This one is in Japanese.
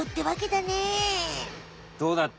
どうだった？